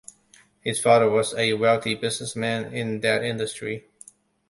His father was a wealthy businessman in that industry.